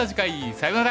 さようなら！